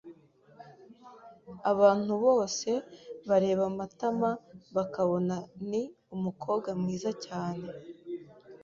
Abantu bose bareba Matama bakabona ni umukobwa mwiza cyane.